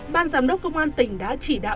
ban giám đốc công an tỉnh đã chỉ đạo